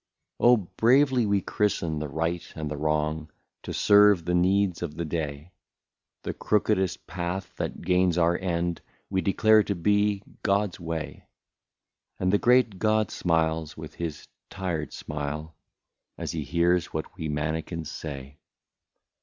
Oh ! bravely we christen the right and the wrong, To serve the needs of the day ; The crookedest path that gains our end We declare to be God's way ; And the great God smiles with his tired smile, As he hears what we mannikins say.